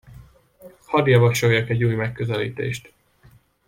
Hadd javasoljak egy új megközelítést!